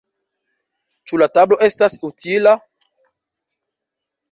Ĉu la tablo estas utila?